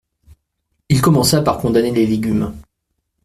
Il commença par condamner les légumes.